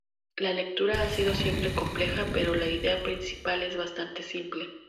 La lectura ha sido siempre compleja, pero la idea principal es bastante simple.